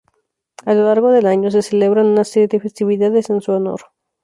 A lo largo del año se celebran una serie de festividades en su honor.